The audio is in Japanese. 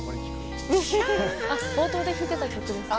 冒頭で弾いてた曲ですか？